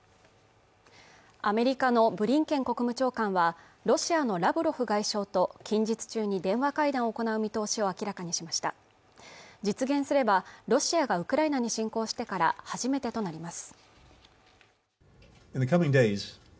アメリカのブリンケン国務長官はロシアのラブロフ外相と近日中に電話会談を行う見通しを明らかにしました実現すればロシアがウクライナに侵攻してから初めてとなります